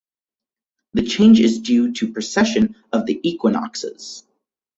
The change is due to precession of the equinoxes.